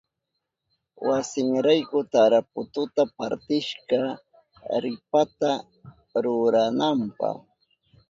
Wasinrayku tarapututa partishka ripata rurananpa.